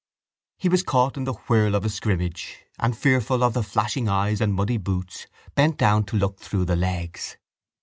He was caught in the whirl of a scrimmage and, fearful of the flashing eyes and muddy boots, bent down to look through the legs.